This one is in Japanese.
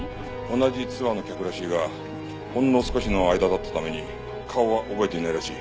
同じツアーの客らしいがほんの少しの間だったために顔は覚えていないらしい。